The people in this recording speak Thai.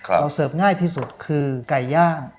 เราเสิร์ฟง่ายที่สุดคือไก่ย่าง